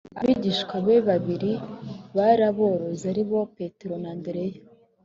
abigishwa be babibi bari abarobyi ari bo petero na andereya